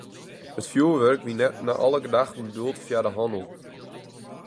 It fjoerwurk wie nei alle gedachten bedoeld foar de hannel.